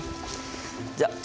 じゃあ。